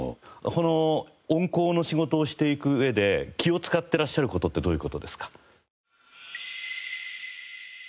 この音効の仕事をしていく上で気を使ってらっしゃる事ってどういう事ですか？